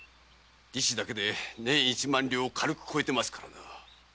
利子だけで年一万両を軽く超えてますからな。